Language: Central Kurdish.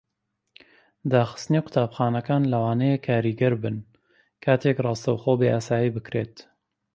داخستنی قوتابخانەکان لەوانەیە کاریگەر بن کاتێک ڕاستەوخۆ بەیاسایی بکرێت.